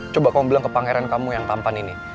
coba kamu bilang ke pangeran kamu yang tampan ini